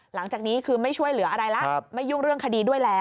หลังจากนี้คือไม่ช่วยเหลืออะไรแล้วไม่ยุ่งเรื่องคดีด้วยแล้ว